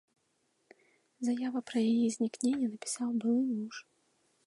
Заяву пра яе знікненне напісаў былы муж.